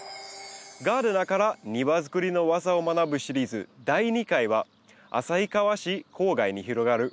ガーデナーから庭づくりの技を学ぶシリーズ第２回は旭川市郊外に広がる